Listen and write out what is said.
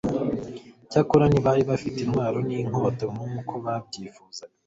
cyakora ntibari bafite intwaro n'inkota nk'uko babyifuzaga